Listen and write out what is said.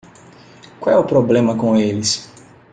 Qual é o problema com eles?